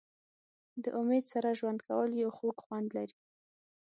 د امید سره ژوند کول یو خوږ خوند لري.